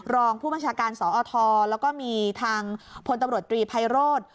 รองผู้บัญชาการสอทแล้วก็มีทางพลตำรวจตรีไพโรธ